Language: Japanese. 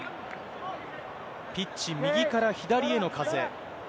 ピッチ右から左への風。